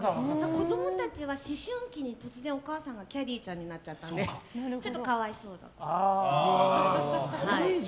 子供たちは思春期に突然、お母さんがきゃりーちゃんになっちゃったのでちょっと可哀想でしたね。